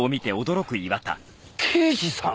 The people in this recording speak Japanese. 刑事さん！？